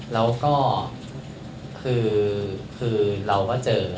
แล้วก็คือเราก็เจอ